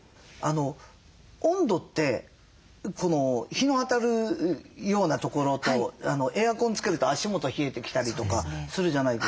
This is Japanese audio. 温度って日の当たるような所とエアコンつけると足元冷えてきたりとかするじゃないですか。